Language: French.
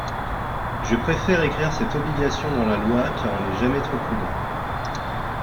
Je préfère écrire cette obligation dans la loi car on n’est jamais trop prudent.